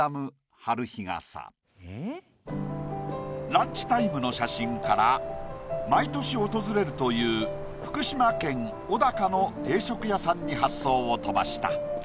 ランチタイムの写真から毎年訪れるという福島県小高の定食屋さんに発想を飛ばした。